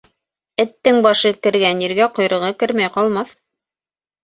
Эттең башы кергән ергә ҡойроғо кермәй ҡалмаҫ.